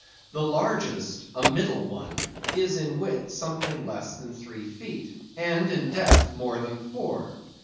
The largest, a middle one, is in width something less than three feet, and in depth more than four.